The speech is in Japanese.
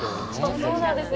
そうなんですね。